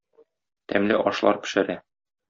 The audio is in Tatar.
Тәмле ашлар пешерә.